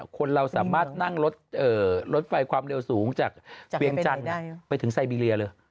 คนเราสามารถนั่งรถไฟความเร็วสูงจากเวียงจันทร์ไปถึงไซบีเรียเลย